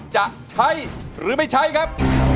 จะใช้หรือไม่ใช้ครับ